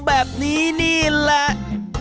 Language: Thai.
แบบนี้นี่แหละ